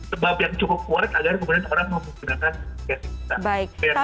sebab yang cukup kuat agar kemudian orang menggunakan gas kita